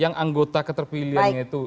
yang anggota ketepilihannya itu